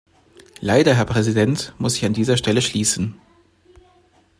Leider, Herr Präsident, muss ich an dieser Stelle schließen.